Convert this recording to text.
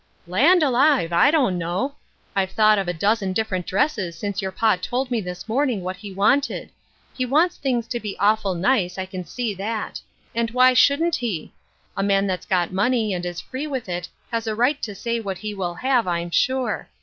" Land alive, I don't know. I've thought of a dozen different dresses since your pa told me this morning what he wanted. He wants things to be awful nice, I can see that ; and why shouldn't he ? A man that's got money and is free with it has a right to say what he will have, I'm sure.